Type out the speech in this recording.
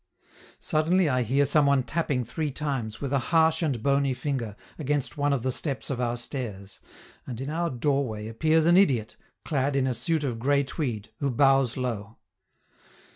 Suddenly I hear some one tapping three times, with a harsh and bony finger, against one of the steps of our stairs, and in our doorway appears an idiot, clad in a suit of gray tweed, who bows low.